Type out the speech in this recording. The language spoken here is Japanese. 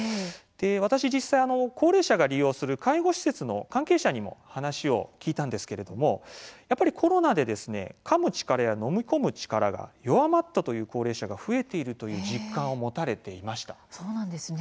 私、実際に高齢者が利用する介護施設の関係性にも話を聞いたんですけれどもやっぱりコロナでかむ力や飲み込む力が弱まったという高齢者が増えているという実感をそうなんですね。